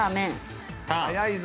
早いぞ。